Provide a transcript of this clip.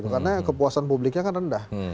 karena kepuasan publiknya kan rendah